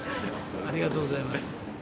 ありがとうございます。